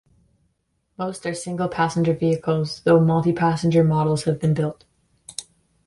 Most are single-passenger vehicles, though multi-passenger models have been built.